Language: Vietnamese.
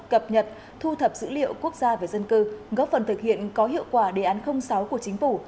cập nhật thu thập dữ liệu quốc gia về dân cư góp phần thực hiện có hiệu quả đề án sáu của chính phủ